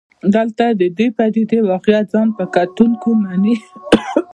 دلته د پدیدې واقعیت ځان په کتونکو مني.